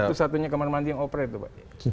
satu satunya kamar mandi yang opera itu pak